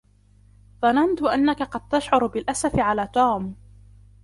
ظننت أنك قد تشعر بالأسف على توم.